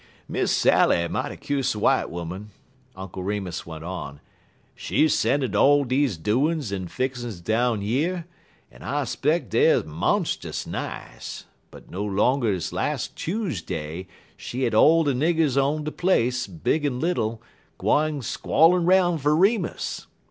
"Miss Sally mighty kuse w'ite 'oman," Uncle Remus went on. "She sendin' all deze doin's en fixin's down yer, en I 'speck deyer monst'us nice, but no longer'n las' Chuseday she had all de niggers on de place, big en little, gwine squallin' 'roun' fer Remus.